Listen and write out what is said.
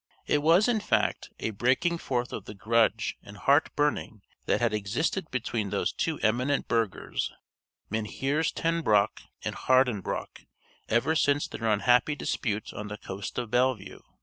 It was, in fact, a breaking forth of the grudge and heart burning that had existed between those two eminent burghers, Mynheers Ten Broeck and Harden Broeck, ever since their unhappy dispute on the coast of Bellevue.